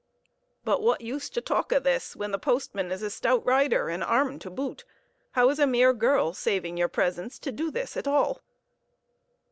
"But what use to talk o' this, when the postman is a stout rider, and armed to boot? How is a mere girl, saving your presence, to do this at all?"